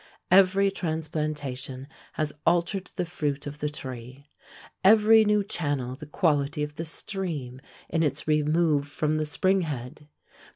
Every transplantation has altered the fruit of the tree; every new channel the quality of the stream in its remove from the spring head.